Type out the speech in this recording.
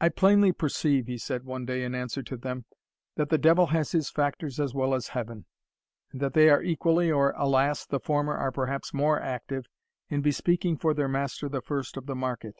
"I plainly perceive," he said one day, in answer to them, "that the devil has his factors as well as Heaven, and that they are equally, or, alas! the former are perhaps more active, in bespeaking for their master the first of the market.